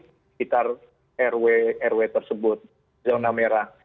sekitar rw rw tersebut zona merah